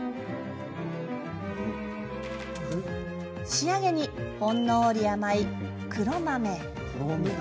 仕上げにほんのり甘い黒豆。